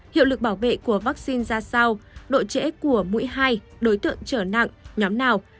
hiệu lực bảo vệ của vaccine ra sao độ trễ của mũi hai đối tượng trở nặng nhóm nào